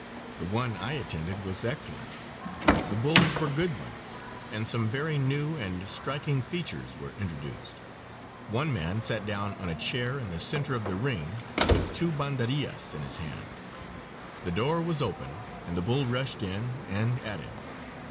The one I attended was excellent. The bulls were good ones, and some very new and striking features were introduced. One man sat down on a chair in the center of the ring with two banderillas in his hand. The door was opened, and the bull rushed in and at him.